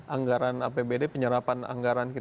anggaran apbd penyerapan anggaran